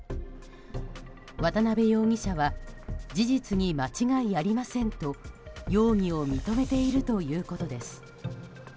渡邉容疑者は事実に間違いありませんと容疑を認めているということです。